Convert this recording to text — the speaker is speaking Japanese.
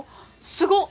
すごっ！